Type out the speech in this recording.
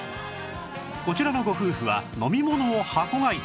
こちらのご夫婦は飲み物を箱買い